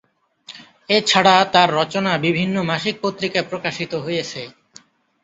এছাড়া তার রচনা বিভিন্ন মাসিক পত্রিকায় প্রকাশিত হয়েছে।